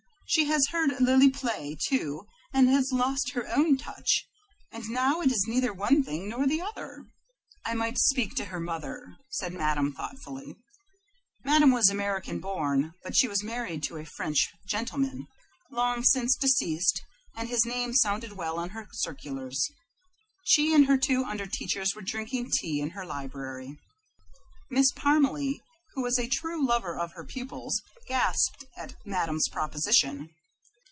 She has heard Lily play, too, and has lost her own touch, and now it is neither one thing nor the other." "I might speak to her mother," said Madame, thoughtfully. Madame was American born, but she married a French gentleman, long since deceased, and his name sounded well on her circulars. She and her two under teachers were drinking tea in her library. Miss Parmalee, who was a true lover of her pupils, gasped at Madame's proposition.